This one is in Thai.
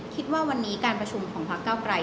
คิดว่าวันนี้การประชุมของพักเก้าไกร